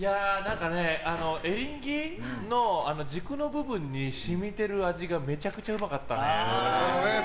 エリンギの軸の部分に染みてる味がめちゃくちゃうまかった。